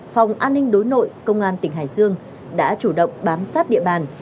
phòng an ninh đối nội công an tỉnh hải dương đã chủ động bám sát địa bàn